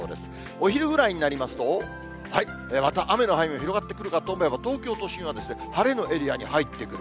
お昼ぐらいになりますと、また雨の範囲が広がってくるかと思えば、東京都心は、晴れのエリアに入ってくる。